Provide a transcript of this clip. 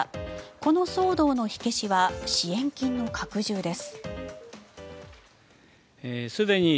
この騒動の火消しは支援金の拡充です。